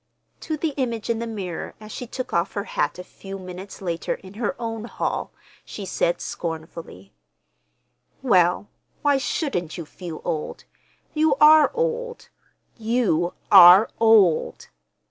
To the image in the mirror as she took off her hat a few minutes later in her own hall, she said scornfully: "Well, why shouldn't you feel old? You are old. _You are old!